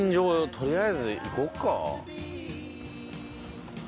とりあえず行こうか。